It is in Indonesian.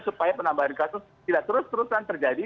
supaya penambahan kasus tidak terus terusan terjadi